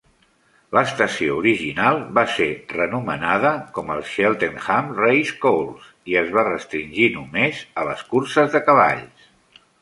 L'estació original va ser renomenada com el Cheltenham Racecourse i es va restringir només a les curses de cavalls.